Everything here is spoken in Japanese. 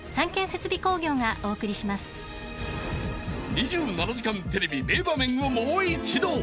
［『２７時間テレビ』名場面をもう一度］